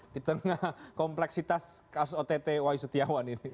di tengah kompleksitas kasus ott wai setiawan ini